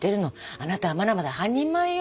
あなたはまだまだ半人前よ。